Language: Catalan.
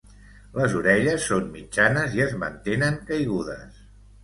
Les orelles són mitjanes i es mantenen caigudes.